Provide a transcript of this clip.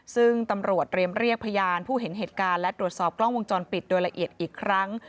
ซึ่งตำรวจเรียมเรียกพยานผู้เห็นเหตุการณ์และตรวจสอบกล้องวงจรปิดโดยละเอียดอีกครั้ง